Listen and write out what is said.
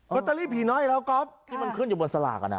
ตเตอรี่ผีน้อยอีกแล้วก๊อฟที่มันขึ้นอยู่บนสลากอ่ะนะ